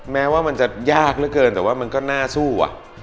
แม้ว่ามันจะยากเหลือเกินแต่ว่ามันก็น่าสู้อะ